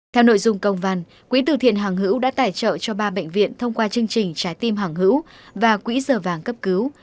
theo nội dung công văn quỹ từ thiện hàng hữu đã tài trợ cho ba bệnh viện thông qua chương trình trái tim hoàng hữu và quỹ giờ vàng cấp cứu